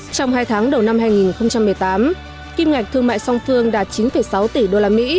trong hai tháng đầu năm hai nghìn một mươi tám kim ngạch thương mại song phương đạt chín sáu tỷ usd